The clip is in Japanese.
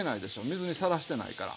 水にさらしてないから。